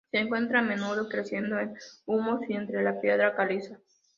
Se encuentra a menudo creciendo en humus y entre la piedra caliza.